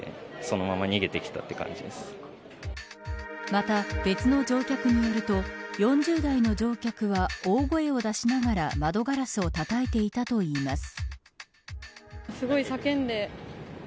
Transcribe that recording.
また別の乗客によると４０代の乗客は大声を出しながら窓ガラスをたたいていたといいます。